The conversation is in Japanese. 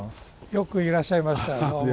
よくいらっしゃいました。